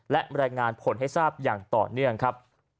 และรายงานผลให้ทราบอย่างต่อเนื่องครับ